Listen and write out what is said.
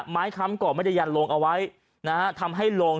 ไม้ค้ำก่อไม่ได้ยันลงเอาไว้ทำให้ลง